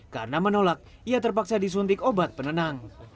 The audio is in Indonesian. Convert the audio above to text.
karena menolak ia terpaksa disuntik obat penenang